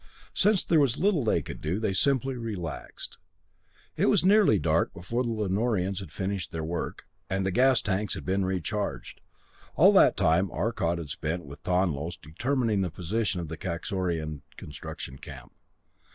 Since there was little they could do, they simply relaxed. It was nearly dark before the Lanorians had finished their work, and the gas tanks had been recharged. All that time Arcot had spent with Tonlos determining the position of the Kaxorian construction camp.